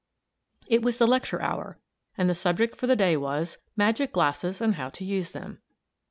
It was the lecture hour, and the subject for the day was, "Magic glasses, and how to use them."